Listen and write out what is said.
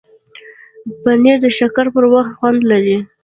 پنېر د شکر پر وخت خوند لري.